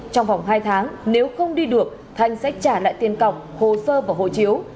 trong vòng hai tháng nếu không đi được thanh sẽ trả lại tiền cọng hồ sơ và hồ triệu